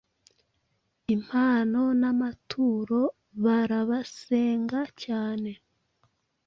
Impano namaturobarabasenga cyane